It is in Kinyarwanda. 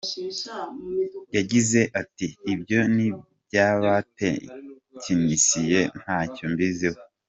Yagize ati: "Ibyo ni iby'abatekinisiye ntacyo mbiziho.